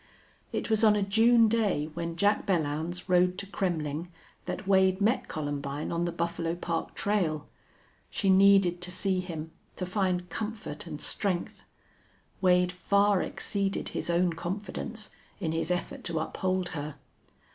It was on a June day when Jack Belllounds rode to Kremmling that Wade met Columbine on the Buffalo Park trail. She needed to see him, to find comfort and strength. Wade far exceeded his own confidence in his effort to uphold her.